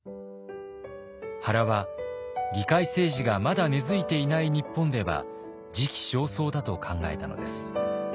原は議会政治がまだ根づいていない日本では時期尚早だと考えたのです。